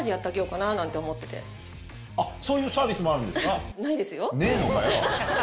そういうサービスもあるんですか。